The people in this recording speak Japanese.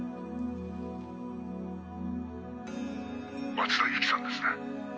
「松田由紀さんですね？」